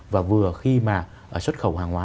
và vừa khi mà xuất khẩu hàng hóa